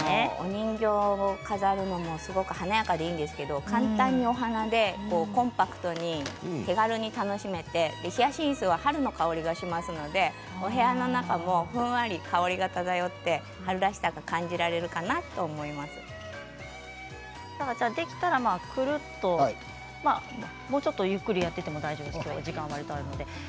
人形を飾るのも華やかでいいんですが簡単にお花でコンパクトに手軽に楽しめてヒヤシンスは春の香りがしますのでお部屋の中も香りが漂って春らしさが感じられるかなとできたら、くるっともうちょっと、ゆっくりやっていただいても大丈夫です。